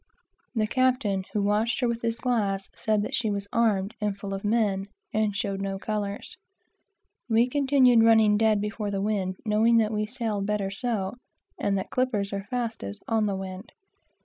The captain, who watched her with his glass, said that she was armed, and full of men, and showed no colors. We continued running dead before the wind, knowing that we sailed better so, and that clippers are fastest on the wind.